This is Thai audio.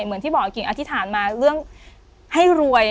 เหมือนที่บอกกิ่งอธิษฐานมาเรื่องให้รวย